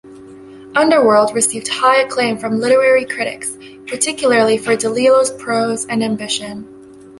"Underworld" received high acclaim from literary critics, particularly for DeLillo's prose and ambition.